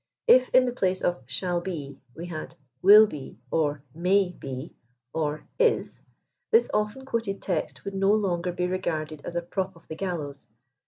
If in the place of " shall be" we had " will be" or " may be," or " is," this often quoted text would no longer be regarded as a prop of the gallows.